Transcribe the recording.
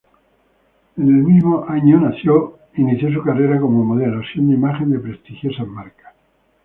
En el mismo año inició su carrera como Modelo, siendo imagen de prestigiosas marcas.